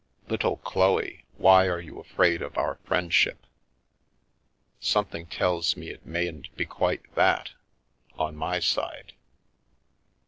Little Chloe, why are you afraid of our friendship? Something tells you it mayn't be quite that— on my side?